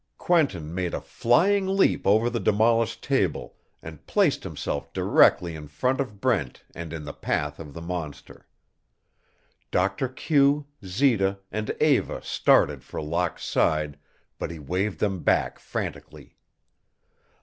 Quentin made a flying leap over the demolished table and placed himself directly in front of Brent and in the path of the monster. Doctor Q, Zita, and Eva started for Locke's side, but he waved them back frantically.